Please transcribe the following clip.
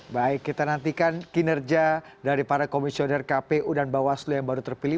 baik kita nantikan kinerja dari para komisioner kpu dan bawaslu yang baru terpilih